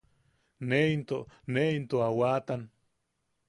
Ne into... ne into a waatan.